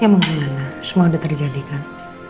emang gimana semua udah terjadikan